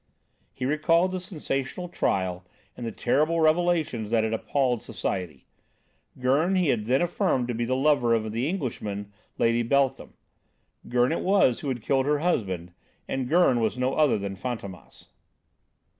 He recalled the sensational trial and the terrible revelations that had appalled society. Gurn he had then affirmed to be the lover of the Englishwoman, Lady Beltham. Gurn it was who had killed her husband, and Gurn was no other than Fantômas.